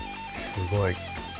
すごい。